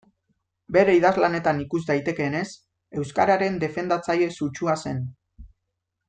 Bere idazlanetan ikus daitekeenez, euskararen defendatzaile sutsua zen.